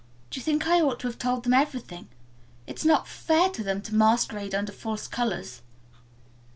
Do you think I ought to have told them everything? It's not fair to them to masquerade under false colors."